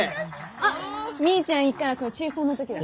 あっみーちゃんいっからこれ中３の時だ。